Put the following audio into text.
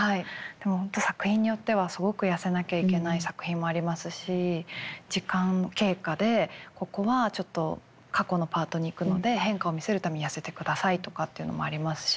でも本当に作品によってはすごく痩せなきゃいけない作品もありますし時間経過でここはちょっと過去のパートにいくので変化を見せるために痩せてくださいとかっていうのもありますし。